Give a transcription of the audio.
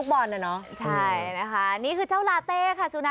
ไม่เหมือนแล้วนะ